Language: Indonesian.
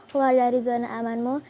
keluar dari zona amanmu